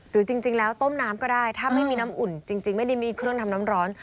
หรือจริงแล้วต้มน้ำก็ได้ถ้าไม่มีน้ำอุ่นจริงไม่ได้มีเครื่องทำน้ำร้อน